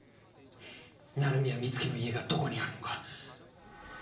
鳴宮美月の家がどこにあるのか。